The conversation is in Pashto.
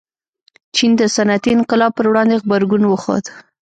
چین د صنعتي انقلاب پر وړاندې غبرګون وښود.